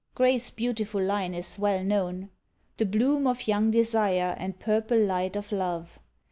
Gray's beautiful line is well known: The bloom of young desire and purple light of love.